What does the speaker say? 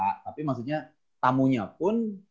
tapi maksudnya tamunya pun